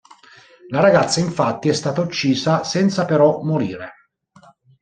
La ragazza infatti è stata uccisa senza però morire.